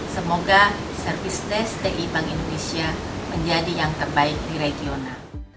semoga service dari bank indonesia menjadi yang terbaik di regional